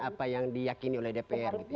apa yang diyakini oleh dpr